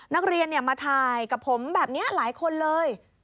นักเรียนมาถ่ายกับผมแบบนี้หลายคนเลย